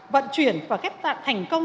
vận chuyển và ghép tạng thành công